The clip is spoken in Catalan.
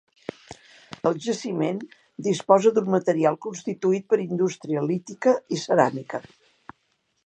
El jaciment disposa d'un material constituït per indústria lítica i ceràmica.